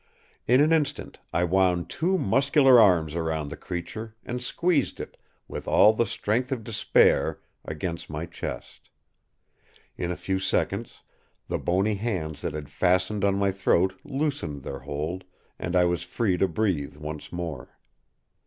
In an instant I wound two muscular arms around the creature, and squeezed it, with all the strength of despair, against my chest. In a few seconds the bony hands that had fastened on my throat loosened their hold, and I was free to breathe once more.